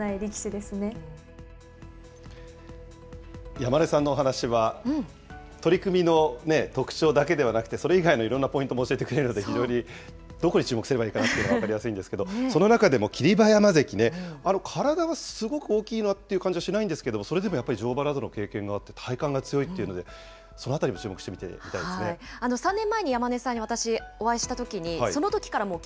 山根さんのお話は、取組の特徴だけではなくて、それ以外のいろんなポイントも教えてくれるので、非常にどこに注目すればいいのかっていうのが分かりやすいんですけど、その中でも霧馬山関ね、体はすごく大きいなという感じはしないんですけれども、それでもやっぱり乗馬などの経験があって、体幹が強いっていうので、そのあ３年前に山根さんに私、お会いしたときに、そのときからもう霧